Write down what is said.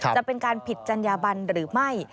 จะเป็นการผิดจัญญาบันหรือไม่